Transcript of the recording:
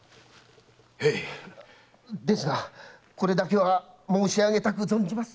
へい！ですがこれだけは申しあげたく存じます。